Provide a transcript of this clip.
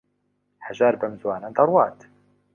هەژار بەم زووانە دەڕوات.